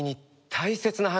大切な話？